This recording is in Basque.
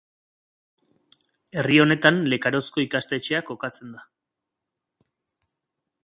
Herri honetan Lekarozko ikastetxea kokatzen da.